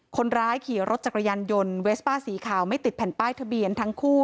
คนร้ายขี่รถจักรยานยนต์เวสป้าสีขาวไม่ติดแผ่นป้ายทะเบียนทั้งคู่